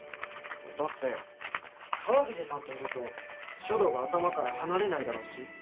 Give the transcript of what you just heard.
だって川藤さんといると書道が頭から離れないだろうし。